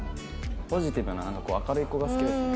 ポジティブな明るい子が好きですね。